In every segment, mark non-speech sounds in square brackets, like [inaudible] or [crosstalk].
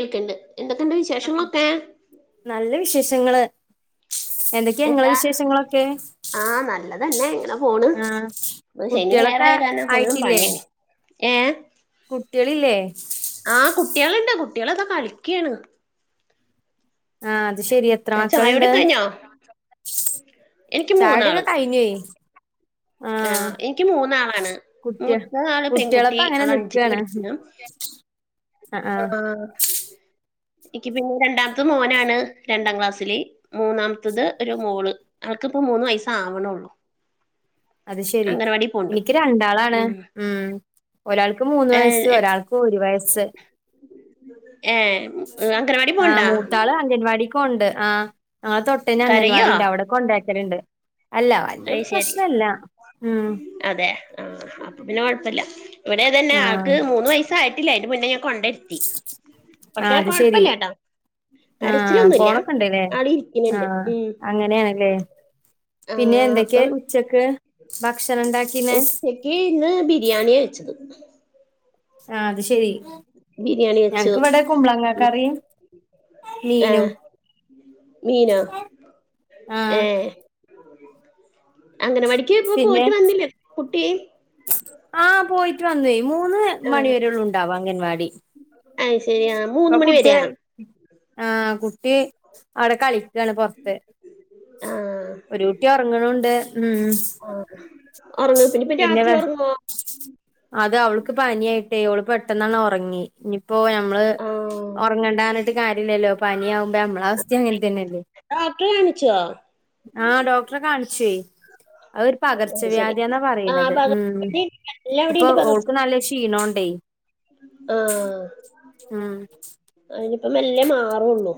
കേൾക്കണ്ട് എന്തൊക്കെയുണ്ട് അ വിശേഷങ്ങളൊക്കെ നല്ല വിശേഷങ്ങള് എന്തെ ക്കെ ങ്ങളെ എന്താ വിശേഷങ്ങളൊക്കെ ആ നല്ലതന്നെ ഇങ്ങനെ പോണ് ആഹ് ഇപ്പൊ ശനി കുട്ട്യോളൊക്കെ ആയിറ്റില്ലേ ഏഹ് കുട്ട്യളില്ലേ ആഹ് കുട്ട്യാള്ണ്ട് കുട്ട്യാളൊക്കെ കളിക്കാണ് ആഹ് അത് ശരിയ അഹ് ചായൂടിക്കെ കഴിഞ്ഞാ ചായുടിക്കെ കയിഞ്ഞെയ് ആഹ് ഇന്ക്ക് മൂന്നാളാണ് കുട്ട്യ മൂത്ത ആള് പെൺകുട്ടി കുട്ട്യേളൊപ്പം അങ്ങനെ ആള് അഞ്ചില് നിക്കാണ്. പഠിക്കുണു അഹ് ആഹ് അആഹ് ഇക്ക് പിന്നെ രണ്ടാമത്തത് മോനാണ് രണ്ടാം ക്ലാസ്സില് മൂന്നാമത്തത് ഒരു മോള് അവൾക്കിപ്പോ മൂന്ന് വയസ് ആവണുള്ളൂ അത് ശരി പോണ്ട് നിക്ക് രണ്ടാളാണ് ഉം ഒരാൾക്ക് മൂന്ന് വയസ്സ് ഒരാൾക്ക് ഒരു വയസ്സ് ഏഹ് ആഹ് മൂത്ത ആള് അംഗൻവാടിക്ക് പോണ്ട് ആഹ് അഹ് തൊട്ടെന്നെ കരയോ അംഗൻവാടി ഇണ്ട് അവടെ കൊണ്ടാക്കല്ണ്ട് അല്ല വല്ല്യ അത് ശരി പ്രശ്നില്ല ഉം അതെ ആ അപ്പൊ പിന്നെ കൊഴപ്പല്ല്യ ഇവിടെ അതന്നെ ആഹ് ആൾക്ക് മൂന്ന് വയസ് വയസ്സ് ആയ്ട്ടില്ലാ അയിൻ്റെ മുന്നേന്നെ ഞാൻ കൊണ്ടെരുത്തി ആഹ് പക്ഷെ അത് ശെരി. കൊഴപ്പല്ല്യാട്ടോ ആഹ് കരച്ചിലൊന്നുല്ല്യ പോണൊക്കെ ഇണ്ട്ല്ലേ ആള് ഇരിക്കന്ണ്ട് ആഹ് ഉം അങ്ങനെയാണല്ലേ ആ പിന്നെ എന്തൊക്കെ അപ്പം ഉച്ചക്ക് ഭക്ഷണം ഇണ്ടാക്കിന് ഉച്ചക്ക് ഇന്ന് ബിരിയാണിയാ വെച്ചത് ആഹ് അത് ശരി ബിരിയാണി വെച്ചു ഞങ്ങക്ക് ഇബടെ കുമ്പളങ്ങ കറീം ആ മീനും മീനോ ആഹ് ഏഹ് അംഗനവാടി പിന്നെ ആഹ് പോയിട്ട് വന്നൂയ് മൂന്ന് ആ മണി വരെള്ളൂ ണ്ടാവാ അംഗൻവാടി അയ് ശരി ആഹ് പ്പൊ കുട്ടി ആഹ് കുട്ടി അവ്ടെ കളിക്കാണ് പൊറത്ത് ആ ഒരു കുട്ടി ഒറങ്ങണുണ്ട് ഉം ആ ഉറങ്ങും ഇപ്പൊ പിന്നെ രാത്രി വേ ഉറങ്ങുവോ അത് അവൾക്ക് പനി ആയിട്ട് ഓള് പെട്ടന്നങ്ങ് ഒറങ്ങി ഇനിപ്പോ ഞമ്മള് ആ ഒറങ്ങണ്ടാറഞ്ഞിട്ട് കാര്യല്ലല്ലോ പനി ആവുമ്പോ ഞങ്ങളവസ്ഥിം അങ്ങന് തന്നെല്ലേ ഡോക്ടറെ കാണിച്ചോ ആഹ് ഡോക്ടറെ കാണിച്ചുയ് അഹ് രു അത് ശരി പകർച്ചവ്യാധിന്നാ ആ പറയണത് ഉം പകർച്ചവ്യാധി എല്ലാം ഇപ്പൊ അവിടെണ്ട് ഓൾക്ക് നല്ല ക്ഷീണോണ്ടേയ് ആഹ് ഉം അയിനിപ്പോ മെല്ലേ മാറുള്ളൂ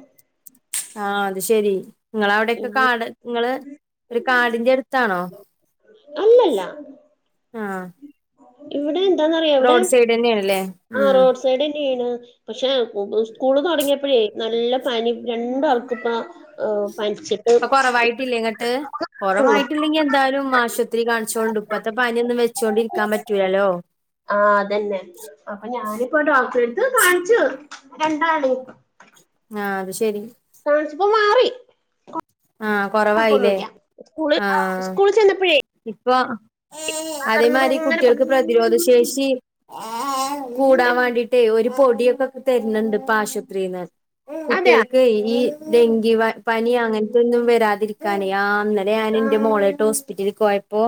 ആ അത് ശരി ഇങ്ങള അവിടെക്കെ ഉം. കാട് ഇങ്ങള് ഒരു കാടിന്റെ എടുത്താണോ അല്ലല്ല ആഹ് ഇവിടെ എന്താന്നറിയോ ഇവിടെ റോഡ് സൈഡ് തന്നെയാണല്ലേ ആഹ് ഉം റോഡ് സെയ്ഡ സൈഡന്ന്യാണ് പക്ഷെ സ്കൂള് തുടങ്ങിപ്പോഴേ നല്ല പനി രണ്ടാൾക്കുപ്പ ആഹ് പന്ച്ച് ഇപ്പ കൊറവായിട്ടില്ലേന്നിട്ട് ട്ടുള്ളൂ കൊറവായിട്ടില്ലെങ്കി എന്തായാലും മാശ- ശത്രീ കാണിച്ചോണ്ടു ഇപ്പത്തെ പനി ഒന്നും വെച്ചോണ്ടിരിക്കാൻ പറ്റൂലല്ലോ ആഹ് അതന്നെ. അപ്പൊ ഞാനിപ്പോ ഡോക്ടറെ എടുത്ത് കാണിച്ചു, രണ്ടാളിം. ആഹ അത് ശെരി. കാണിച്ചപ്പോൾ മാറി. ആഹ കുഴപ്പന്നുല്ല. ഉസ്കൂള് ഉസ്കൂളിൽ ചെന്നപ്പഴേ, ഇപ്പൊ പകർന്ന് അതേമാതിരി ഇങ്ങനെ പ- കുട്ടികൾക്ക് പ്രതിരോധ ശേഷി കൂടാൻ വേണ്ടിട്ടേ ഒരു പൊടിയൊക്കെ തരുന്നുണ്ട് ഇപ്പ ആശുപത്രിന്ന്. അതെയാ കുട്ടികൾക്കെയ്‌, ഈ ഡെങ്കി വ പനി അങ്ങനത്തെ ഒന്നും വരാതിരിക്കാനെ. ഇന്നലെ ഞാൻ ആ എന്റെ മോളായിട്ട് ഹോസ്പ് [unintelligible] പോയപ്പോ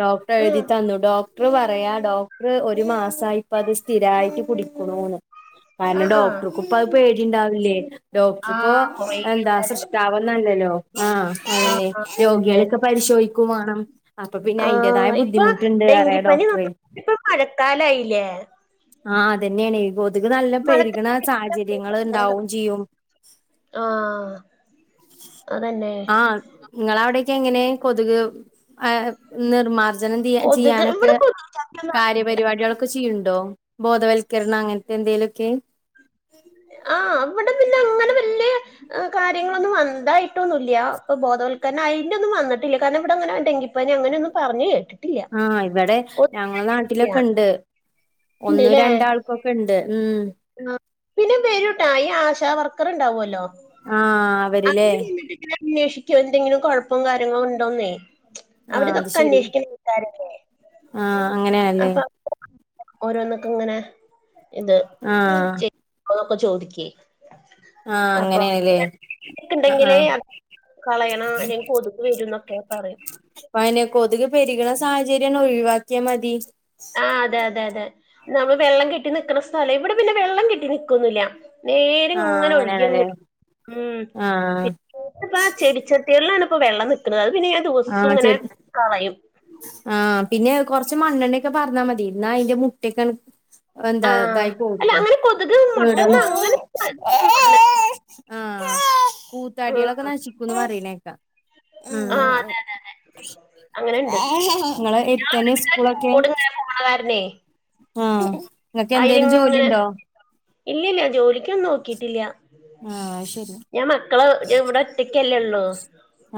ഡോക്ടർ എഴുതി തന്നു. ഡോ ട്ടു പറയാ ഡോക്ടറ് ഒരു മാസമായിട്ട് അത് സ്ഥിരായിട്ട് കുടിക്കണുന്ന്. ആ കാരണം ആ ആ ഡോക്ടർക്ക് ഇപ്പ അത് പേടി ഉണ്ടാവില്ലേ. ഡോക്ടർ ഇപ്പോ ആഹ് കൊറേ എന്താ ആൾക്കാര് സൃഷ്ടാവന്നല്ലല്ലോ. ആഹ് അതന്നെ, ആഹ് രോഗികളൊക്കെ പരിശോധിക്കു വേണം. അപ്പൊ പിന്നെ ആ അയിന്റേതായ ഇപ്പൊ ബുദ്ധിമുട്ടുണ്ട് പറയാ ഡെങ്കിപ്പനി ഡോക്ടറെ [unintelligible] ഇപ്പ മഴക്കാലായില്ലേ. ആഹ അതന്നെണ്. കൊതുക് നല്ല മഴക്കാല പെരുകണ സാഹചര്യങ്ങൾ ഉണ്ടാവും ചെയ്യും. ആഹ അതെന്നെ. ഇങ്ങള അവിടെക്കെ എങ്ങനെ? കൊതുക് ആഹ് നിർമാർജനം കൊതുക് ചെയ്യാനൊക്കെ ഇവിടെ കൊതുക് ചത്തൊന്നും കാര്യപരിപാടികള് ഒ ക്ക ചെയ്യണ്ടോ? ബോധവൽക്കരണം അങ്ങനത്തെ എന്തെങ്കിലും ഒക്കെ. ആഹ അവിടെ പിന്നെ അങ്ങനെ വല്യേ, കാര്യങ്ങളൊന്നും വന്ന തായിട്ടൊന്നൂല്ല്യ. ഇപ്പ ബോധവൽക്കരണം അതിന്റെ ഒന്നും വന്നിട്ടില്ല. കാരണം ഇവിടെ അങ്ങനെ ഡെങ്കി പനി അങ്ങനെ ഒന്നും പറഞ്ഞു കേട്ട് ആഹ ഇവിടെ ഞങ്ങള നാട്ടിലൊക്കെ ഉണ്ട്. ഒന്നും രണ്ട ആൾക്ക് ഒക്കെ ഇണ്ട്. ഉം ആ പിന്നെ വേരുംട്ടാ. ഈ ആശ വർക്കർ ഉണ്ടാവുമല്ലോ. ആഹ് അവരില്ലേ അവര് വന്നിട്ട് പിന്നെ അന്വേഷി ക്കും എന്തെങ്കിലും കുഴപ്പം കാര്യങ്ങളും ഉണ്ടോന്നേ. ആഹ് അവരി അത് ഇതൊക്കെ ശരി അന്വേഷിക്കുന്ന [unintelligible] ആഹ് അങ്ങനെ. അപ്പൊ ഓരോന്നക്ക ഇങ്ങനെ ഇത് ആഹ് ചെയ [unintelligible] ക്കെ ചോദിക്കേ. ആഹ് അപ്പോ [unintelligible] അങ്ങനെയാണല്ലേ ആഹ് അപ്പൊക്കണ്ടെങ്കില് ആഹ് അ കളയണം അല്ലെങ്കിൽ കൊതുക് വരും എന്നൊക്കെ പറയും. അതെന്നെ കൊതുക് പെരുകണ സാഹചര്യം ഒഴിവാക്കിയാൽ മതി. ആഹ അതെ അതെ അതെ. നമ്മള് വെള്ളം കെട്ടി നിൽക്കുന്ന സ്ഥലം, ഇവിടെ പിന്നെ വെള്ളം കെട്ടി നിക്കൊന്നില്ല. നേരെ ആഹ് ഇങ്ങനെ ഒഴുകി അങ്ങനെയാണല്ലേ [unintelligible] ഉ ആഹ് പിന്നെ പ ചെടിച്ചെ ട്ടിയിലാണ് വെള്ളം നിൽക്കണ. അത് പിന്നെ ഞാ ദിവസ്സും ഇങ്ങനെ കളയും. ആഹ പിന്നെ കുറച്ച് മണ്ണെണ്ണയൊക്കെ പാർന്നാൽ മതി. മതി എന്നാ അതിന്റെ മുട്ടക്കെ എന്താ ആഹ് ഇതായി അല്ല പോവുത്രെ. അങ്ങനെ കൊതുക് മുട്ടന്ന് അങ്ങനെ ആഹ ഉം കൂത്താടികളൊക്കെ നശിക്കും എന്ന് പറയുന്നത് കേൾക്കാം. [inaudible] അങ്ങനെണ്ട് ഇങ്ങളെ എടുത്തനെ സ്കൂളൊക്കെ? [unintelligible] നെ ആഹ അയില് ഇങ്ങനെ. ഇല്ലില്ല ജോലിക്കൊന്നും നോക്കിട്ടില്ല. ആഹ ശരിയ. ഞാൻ മക്കള ഇവിടെ ഒറ്റയ്ക്കല്ലേ ഉള്ളൂ.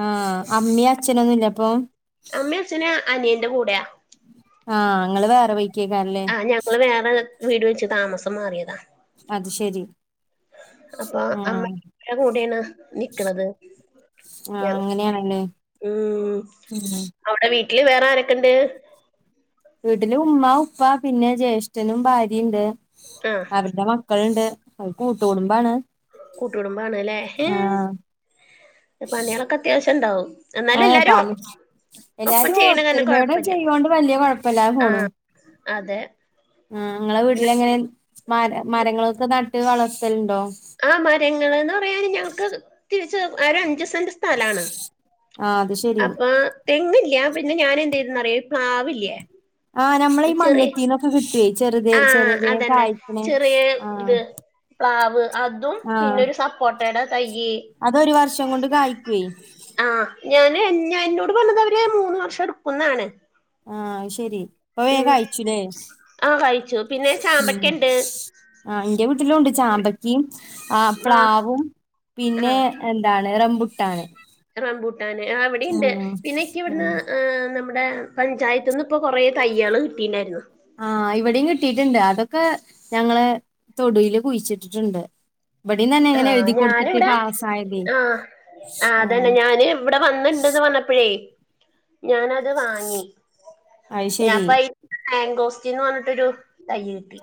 ആഹ അമ്മയും അച്ഛൻ ഒന്നും ഇല്ലപ്പോ. അമ്മേ അച്ഛന് അനിയന്റെ കൂടെയാ. ആഹ ഇങ്ങള് വേറെ വെയ്ക്കേ കാണ്ലെ. ആഹ് ഞങ്ങള് വേറെ വീട് വെച്ച് താമസം മാറിയതാ. അത് ശരി. അപ്പൊ അമ്മ [unintelligible] ആഹ് ന്റെ കൂടേണ് നിക്കണത് ഞ ആഹ് അങ്ങനെയാണല്ലേ ഉം ഉം അവിടെ വീട്ടില് വേറെ ആരൊക്കെ ഇണ്ട് വീട്ടില് ഉമ്മ ഉപ്പ പിന്നെ ജ്യേഷ്ഠനും ഭാര്യ ഇണ്ട് ആഹ് അവരുടെ മ ക്കള്ണ്ട് അവര് കൂട്ടുകുടുംമ്പാണ് കൂട്ടുകുടുംമ്പാണ് ഇല്ലേ ഹെ പണികളൊക്കെ അത്യാവശ്യം ഇണ്ടാവും എന്നാല് ആഹ് എല്ലാരും പണി ഒപ്പം എല്ലാരും ചെയ്യണ കൊണ്ട് ഒത്തൊരുമയോടെ കൊഴപ്പില്ല ചെയ്യോണ്ട് വല്യ കൊഴപ്പല്ലാതെ ആഹ് അതെ ആ ഇങ്ങളെ വീട്ടില് ഇങ്ങനെ മര മരങ്ങൾക്ക് നട്ട് വളർത്തലുണ്ടോ ആ മരങ്ങളന്ന് പറയാന് ഞങ്ങക്ക് തിരിച്ച് അര അഞ്ച് സെന്റ് സ് സ്ഥലാണ് ആഹ് അത് ശെരി അപ്പൊ തെങ്ങില്ല്യാ പിന്നെ ഞാൻ എന്ത് ചെയ്തെന്ന് അറിയാവോ ഈ പ്ലാവില്ലേ ആഹ് നമ്മളെ ഈ ചെറിയ മണ്ണുത്തീന്നൊക്കെ കിട്ടുവേ ചെറുത് ആഹ് ചെറുതേ അതന്നെ കായ്ക്കണേ ചെറിയ ആഹ് ഇത് പ്ലാവ് അതും പിന്നെ ആഹ് ഒരു സപ്പോട്ടയുടെ തൈയ്യ് അതൊരു വർഷം കൊണ്ട് കായ്ക്കുവേ ആഹ് ഞാന് ഞ എന്നോട് പറഞ്ഞത് അവര് മൂന്ന് വർഷം എടുക്കുന്നാണ് ആഹ് അയ്ശെരി പ്പൊ വേഗം ഉം കായ്ച്ചുല്ലേ ആ കഴിച്ചു പിന്നെ ഉം ചാമ്പക്കണ്ട് ആ എന്റെ വീട്ടിലും ഉണ്ട് ചാമ്പക്കും ആ മാ പ്ലാവും ആ പിന്നെ എന്താണ് റംബുട്ടാണ് റബൂട്ടാന് ആ ഇവിടെയുണ്ട് പിന്നെക്കെ ഇവിടുന്ന് ഉം ഏ നമ്മ ഇമ്മടെ പഞ്ചായത്ത് നിന്ന് ഇപ്പൊ കൊറേ തയ്യകള് കിട്ടിയിണ്ടായിരുന്നു ആഹ് ഇവിടെയും കിട്ടിട്ടുണ്ട് അതൊക്കെ ഞങ്ങള് തൊടില് കുഴിച്ചിട്ടിട്ടുണ്ട് ഇബടെയും തന്നെ അങ്ങനെ ആഹ് എഴുതി കൊടുത്തിട്ട് പാസായതേ ആ അതന്നെ ഞാന് ഇവിടെ വന്നിണ്ട്ന്ന് പറഞ്ഞപ്പോഴേ ഞാനത് വാങ്ങി അത് ശരി യപ്പയ് മാങ്കോസ്റ്റിൻ ന്ന് പറഞ്ഞിട്ടൊരു തൈ കിട്ടി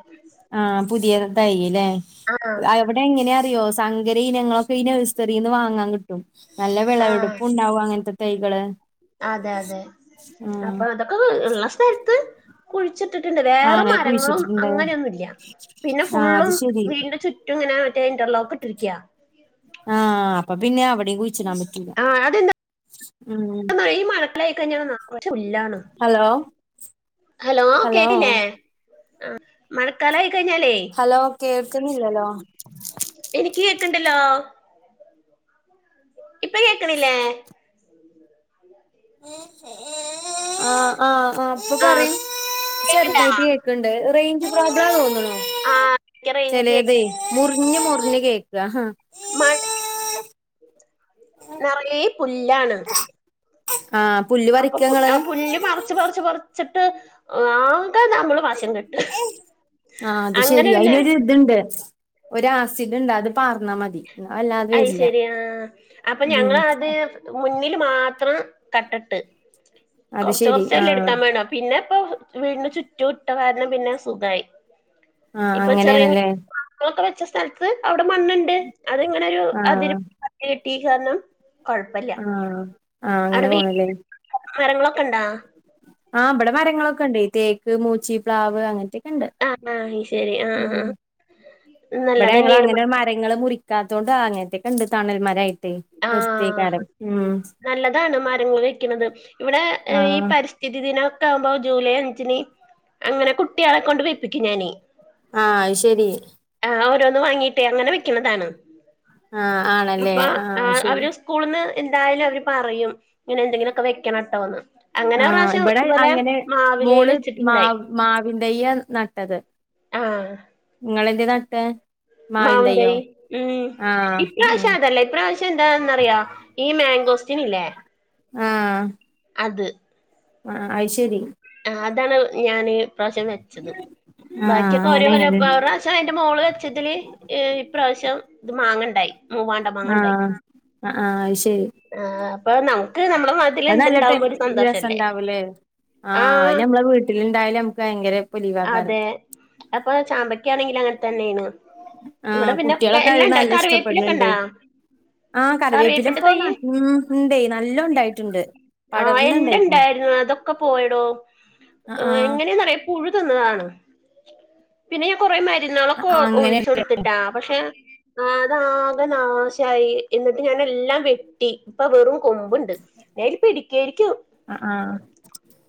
ആഹ് പുതിയ തൈ ഇല്ലേ ആഹ് ആ ഇവിടെ എങ്ങനെയ അറിയോ സങ്കര ഇനങ്ങളൊക്കെ ഈ നഴ്സറീന്ന് വാങ്ങാൻ കി ട്ടും നല്ല ആഹ് വിളവെടുപ്പുണ്ടാവും അങ്ങനത്തെ തൈകള് അതെ അതെ ആ അപ്പൊ അതൊക്കെ ഇള്ള സ്ഥലത്ത് കുഴിച്ചിട്ടിട്ടുണ്ട് ആ വേറെ അങ്ങനെ മരങ്ങളും കുഴിച്ചിട്ടുണ്ട് അങ്ങനെയൊന്നുല്ല്യാ പിന്നെ ആ ഫുള്ളും അത് ശരി വീടിന്റെ ചുറ്റ് റ്റുംങ്ങനെ മറ്റേ ഇന്റർ ലോക്ക് ഇട്ടിരിക്ക്യാ ആഹ് അപ്പ പിന്നെ അവിടെയും കുഴിച്ചിടാൻ പ ആഹ് അതെന്താ മഴയ്‌ ഈ മഴക്കലായി കഴിഞ്ഞാ പുല്ലാണ് ഹലോ ഹലോ കേട്ടില്ലേ ആ മഴക്കാലായി കഴിഞ്ഞാലേ ഹലോ കേൾക്കുന്നില്ലല്ലോ എനിക്ക് കേക്കണ്ടല്ലോ ഇപ്പ കേക്കണില്ലേ ആഹ് ആഹ് ആ ഇപ്പൊ പറയ് കേക്കണ്ടാ ചെറുതായിട്ട് കേ ക്കണ്ട് റേഞ്ച് പ്രോബ്ളാണ് തോന്നുണു ആ എനിക്ക് റേഞ്ച് ചെലതേ മുറിഞ്ഞ് മുറിഞ്ഞ് കേക്ക്ക ഹാ മഴ [unintelligible] നിറയെ പുല്ലാണ് ആഹ് പുല്ല് അപ്പൊ പറിക്കാ ഇങ്ങള് ആ പുല്ല് പറിച്ച് പറിച്ച് പറിച്ചിട്ട് ആകെ നമ്മള് ആ അത് അങ്ങനെ ശരി പിന്നെ അയ്നൊരു ഇത്ണ്ട് ഒര് ആസിഡ് ഇണ്ട് അത് പാർന്നാ മതി അല്ലാതെ വരില്ല അയ്ശെരി ആ അപ്പൊ ഉം ഞങ്ങള് അത് മുന്നിൽ മാത്രം കട്ടിട്ട് അത് കുറച്ച് ശെരി കുറച്ച് അല്ലേ ആഹ് എടുക്കാൻ വേണം പിന്നെ ഇപ്പൊ വീടിന് ചുറ്റും ഇട്ട കാരണം പിന്നെ സുഖായി ആഹ് ഇപ്പൊ ചെറിയ [inaudible] അങ്ങനെയാണല്ലേ ളൊക്കെ വെച്ച സ്ഥലത്ത് അവിടെ മണ്ണുണ്ട് അതിങ്ങനെ ഒരു ആഹ് അതിരി [unintelligible] കെട്ടിയ കാരണം കൊഴപ്പില്ല ആഹ് ആഹ് അങ്ങനെ പോണല്ലേ. മരങ്ങളൊക്കെണ്ടാ ആഹ് ബ്ടെ മരങ്ങളൊക്കെ ഉണ്ട്. ഈ തേക്ക്, മൂച്ചി, പ്ലാവ് അങ്ങന് ത്തെക്കെണ്ട്. ആഹ് ആ അയ്ശരി ആഹ് ആ ആഹ്. വിടെ ഞങ്ങൾ നല്ലതന്നെയാണ് അങ്ങനെ മരങ്ങൾ മുറിക്കാത്തതോണ്ട് അങ്ങനത്തെക്കണ്ട് തണൽ മരായി ആഹ് നല്ലതാണ് മരങ്ങൾ വെക്ക്ണത്. ഇവിടെ ഈ ആഹ് പരിസ്. സ്ഥിതിദിനം ഒക്കെ ആകുമ്പോ ജൂലൈ അഞ്ചിന് അങ്ങനെ കുട്ട്യാളെ കൊണ്ട് വെപ്പിക്കും ഞാന്. ആഹ് അഅ്ശരി. ആഹ് ഓരോന്ന് വാങ്ങീട്ടേ അങ്ങനെ വെക്കണതാണ്. ആഹ് ആണല്ലേ അപ്പൊ ആ ആഹ്അയ്ശരി. അവര് സ്കൂളിന്ന് എന്തായാലും അവര് പറയും. ഇങ്ങനെ എന്തെങ്കിലുക്കെ വെക്കണട്ടോന്ന്. അങ്ങനെ ഒര് ആഹ് റാശ്യം ഇവിടെ ഇതുപോലെ അങ്ങനെ മാവിലെ മോള് വെച്ചിട്ടുണ്ടായി. മാവ് മാവിൻ തെയ്യാ നട്ടത്. ആഹ്. നിങ്ങളെന്തേ നട്ടെ മാവ്ന്തയ് ഉം ആഹ് ഉം ഉം ഇപ്രാവശ്യം അതല്ല ഇപ്രാവശ്യം എന്താന്നറിയോ. ഈ മാങ്കോസ്റ്റിന് ഇല്ലേ ആഹ്. അത്. ആ ആഅയ്ശെരി അ അതാണ് ഞാൻ ഇപ്രാവശ്യം വെച്ചത് ആഹ് ബാക്കിയൊക്കെ ഓരേ കൊല്ലം അങ്ങനെയാണല്ലേ വെറെ ക്ഷ ന്റെ മോള് വെച്ചതിൽ ഇപ്രാവശ്യം ഇത് മാങ്ങണ്ടായി. മൂവാണ്ട മാങ്ങണ്ടായി. ആ ആഹ് അഅ്ശരി. ആഹ് അപ്പൊ നമുക്ക് നമ്മുടെ നാട്ടിൽ ന്ത്ന്തുണ്ടാവുമ്പോ ഒരു സന്തോഷ രസണ്ടാവൂലേ, ആഹ് അത് നമ്മള വീട്ടിലുണ്ടായാല് നമുക്ക് ഭയങ്കര പൊലീവാക്കാരം. അഅ് പോലെചാമ്പക്കാണെങ്കില് അങ്ങൻ തന്നെയെണ് ആഹ് ഇവിടെ പിന്നെ കുട്ട്യാളൊക്കെ അത് എല്ലാണ്ട് നല്ല ഇഷ്ടപ്പെട്ണ് കറിവേപ്പിലൊക്കെ ണ്ടേ ണ്ടാ ആഹ് കറിവേപ്പില ഇപ്പോ നറ്ഞ്ഞ് ണ് ണ്ടേ. നല്ലേ ണ്ടായിട്ടുണ്ട്. ആഹ് എന്റെണ്ടായിരുന്നു അതൊക്കെ പോയടോ ആഹ് ആഹ് ആഹ് എങ്ങനെന്നറിയോ പുഴു തിന്നതാണ്. പിന്നെ ഞാൻ കുറെ മരുന്നാളൊക്കെ ആഹ് ഒ അങ്ങനെല്ലേ ഒഴിച്ചെടുത്തിട്ടാ. ക്ഷെ അതാകെ നാശായി എന്നിട്ട് ഞാൻ എല്ലാം വെ. ട്ടി ഇപ്പൊ വെറും കൊമ്പ്ണ്ട്. നിഅ യ്ന് പിടിക്കേര്ക്കും. ആഹ് ആഹ്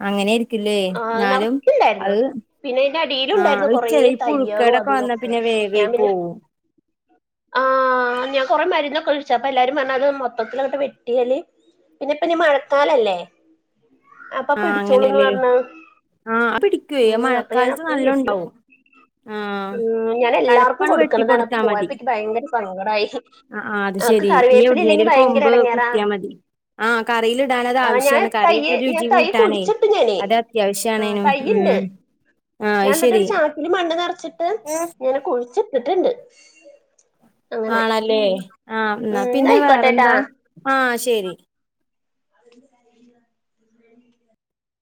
അങ്ങനെയിരിക്കുംല്ലേ. ആഹ് എന്നാലും നറച്ചുണ്ടായിരുന്നു അഅ് പിന്നെ അയിന്റെ അടിയിലും ഉണ്ടായിരുന്നു ആഹ് ഇ കൊറേ ചെറി തയ്യളും പുഴുക്കേടൊക്കെ അതും വന്നാ ഇതൊക്കെ പിന്നെ വേഗെ ഞാൻ പിന്നെ പോവും. ആഹ് ഞാൻ കൊറെ മരുന്നൊക്കെ ഒഴിച്ചു. അപ്പൊ എല്ലാരും പറഞ്ഞത് അത് മൊത്തത്തിലങ്ങട്ട് വെട്ടിയാല്. പിന്നെ പ്പനി മഴക്കാലല്ലേ അപ്പൊ ആഹ് പിടിച്ചോളൂന്ന് അങ്ങനെല്ലേ പറഞ്ഞ്. ആഹ് അത് പിടിക്കുവേ അത് ഉം അപ്പൊ ഞാൻ മഴക്കാലത്ത് ഒക്കെ വെട്ടിയാ നല്ലോണ്ടാവും ആഹ് ഉം ഞാൻ എല്ലാർക്കും തലപ്പാണ്ട് വെട്ടി കൊടുക്കണതാണ്. പ്പൊ കൊടുത്താ മതി പോയപ്പോ ക്ക് ഭയങ്കര സങ്കടായി. ആഹ് ആഹ് അത് അനക്ക് ശെരി. നി കറിവേപ്പില ഇല്ലെങ്കി എവിടുന്നേലൊരു ഭയങ്കര കൊമ്പ് എടങ്ങേറാ കുത്തിയാ മതി. ആഹ് കറിയിലിടാനത് ആഹ് ഞാൻ ആവശ്യാണ്. തയ്യ് കറിയൊക്കെ ഞാൻ രുചി തൈ കൂട്ടാനേ കുഴിച്ചിട്ട് ഞാന് അത് അത്യാവശ്യ ആഹ് റ്റാണേനും ഉം തയ്യ്ണ്ട് ആഹ് ഞാൻ അത് ന്നിട്ട് ശെരി ഒരു ചാക്കിൽ മണ്ണ് നെറച്ചിട്ട് ഇങ്ങനെ കുഴിച്ചിട്ട്ട്ട്ണ്ട്. ആണല്ലേ ആഹ്ന്നാ ഉം ന്നാ പിന്നെ ആയിക്കോട്ടെട്ടാ വേറെന്താ ആഹ് ശരി. [unintelligible]